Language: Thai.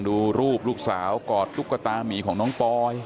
ดูรูปลูกสาวกอดตุ๊กตามีของน้องปอย